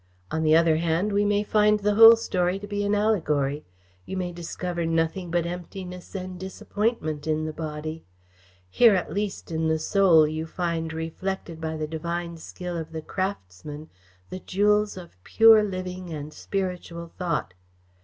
"On the other hand, we may find the whole story to be an allegory. You may discover nothing but emptiness and disappointment in the Body. Here, at least, in the Soul, you find reflected by the divine skill of the craftsman, the jewels of pure living and spiritual thought.